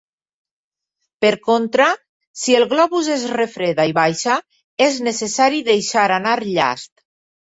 Per contra, si el globus es refreda i baixa, és necessari deixar anar llast.